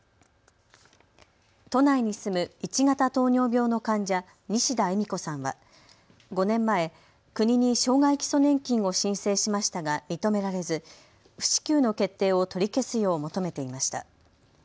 都内に住む１型糖尿病の患者、西田えみ子さんは５年前、国に障害基礎年金を申請しましたが認められず不支給の決定を取り消すよう求めていました。